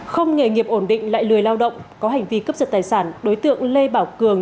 không nghề nghiệp ổn định lại lười lao động có hành vi cấp giật tài sản đối tượng lê bảo cường